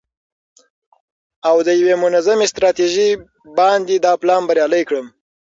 او د یوې منظمې ستراتیژۍ باندې دا پلان بریالی کړم.